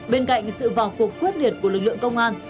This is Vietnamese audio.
bên cạnh sự vào cuộc quyết liệt của lực lượng công an